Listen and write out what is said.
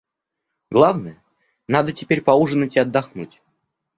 Главное, надо теперь поужинать и отдохнуть.